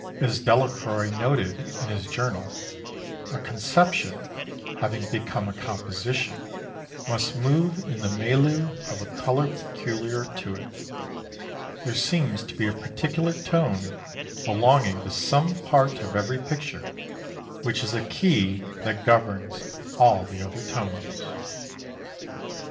As Delacroix noted in his journal: "A conception having become a composition must move in the milieu of a colour peculiar to it. There seems to be a particular tone belonging to some part of every picture which is a key that governs all the other tones."